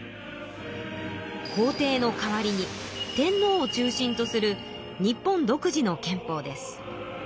皇帝の代わりに天皇を中心とする日本独自の憲法です。